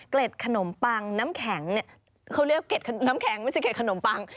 ขนมปังน้ำแข็งเนี่ยเขาเรียกเกร็ดน้ำแข็งไม่ใช่เกร็ดขนมปัง